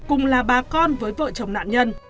cùng là ba con với vợ chồng nạn nhân